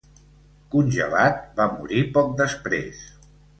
Congelat, va morir poc després.